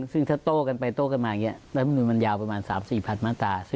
ซึ่งถ้าโต้กันไปโต้กันมาอย่างนี้รัฐมนุนมันยาวประมาณ๓๔พันมาตรา๔